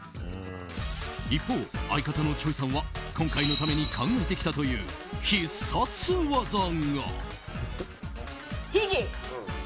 一方、相方のｃｈｏｙさんは今回のために考えてきたという必殺技が。